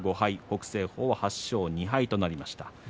北青鵬が８勝２敗となりました。